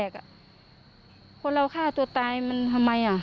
คนเราฆ่าตัวตายมันทำไม